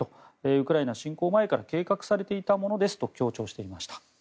ウクライナ侵攻前から計画されていたものですと強調していました。